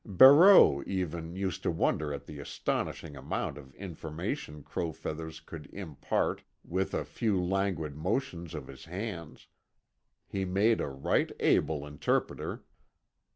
Barreau, even, used to wonder at the astonishing amount of information Crow Feathers could impart with a few languid motions of his hands. He made a right able interpreter.